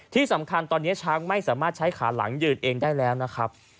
ที่สำคัญตอนนี้ช้างไม่สามารถใช้ขาหลังยืนเองได้แล้วนะครับ